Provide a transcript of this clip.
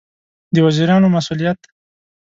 د وزیرانو مسوولیت